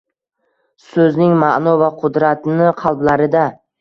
So‘zning ma’no va qudratini qalblarida.